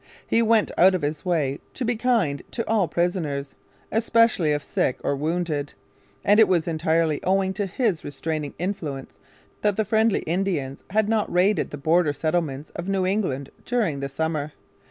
He went out of his way to be kind to all prisoners, especially if sick or wounded. And it was entirely owing to his restraining influence that the friendly Indians had not raided the border settlements of New England during the summer.